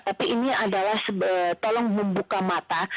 tapi ini adalah tolong membuka mata